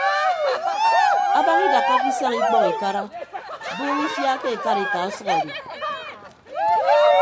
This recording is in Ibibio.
Abañ idakkake isañ ikpọñ ikara buuñ ifia ke ekarika ọsʌk adi.